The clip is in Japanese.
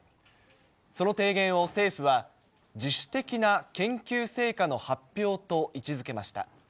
その提言を政府は、自主的な研究成果の発表と位置づけました。